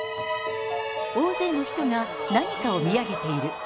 大勢の人が何かを見上げている。